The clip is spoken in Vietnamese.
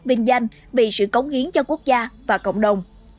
vinh danh vì sự cống hiến cho quốc gia và cộng đồng